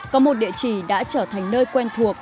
có một địa chỉ đã trở thành nơi quen thuộc